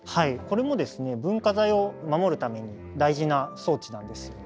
これも文化財を守るために大事な装置なんですよ。